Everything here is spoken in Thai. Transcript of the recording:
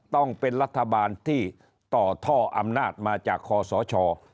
ต้องเป็นรัฐบาลที่ต่อท่ออำนาจมาจากคอสช